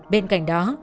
bên cạnh đó